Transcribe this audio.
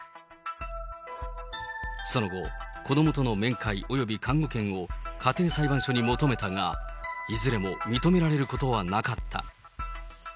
その後、子どもとの面会および監護権を家庭裁判所に求めたが、いずれも認められることはなかった。